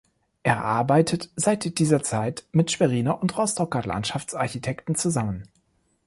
Er arbeitet seit dieser Zeit mit Schweriner und Rostocker Landschaftsarchitekten zusammen.